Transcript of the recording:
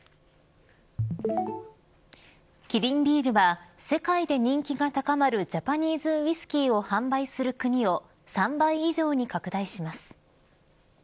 キリンビールは世界で人気が高まるジャパニーズウイスキーを販売する国を３倍以上に拡大します。